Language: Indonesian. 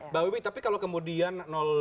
mbak wibi tapi kalau kemudian dua